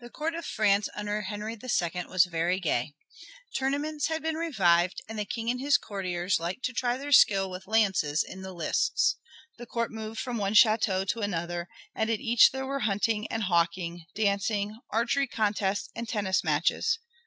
The court of France under Henry II was very gay. Tournaments had been revived, and the King and his courtiers liked to try their skill with lances in the lists. The court moved from one château to another, and at each there were hunting and hawking, dancing, archery contests, and tennis matches.